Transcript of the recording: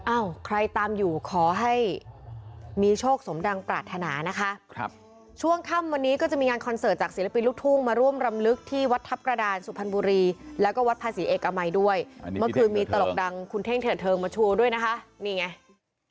อ้าวใครตามอยู่ขอให้มีโชคสมดังปรารถนานะคะครับช่วงค่ำวันนี้ก็จะมีงานคอนเสิร์ตจากศิลปินลูกทุ่งมาร่วมรำลึกที่วัดทัพกระดานสุพรรณบุรีแล้วก็วัดภาษีเอกมัยด้วยเมื่อคืนมีตลกดังคุณเท่งเถิดเทิงมาชูด้วยนะคะนี่ไง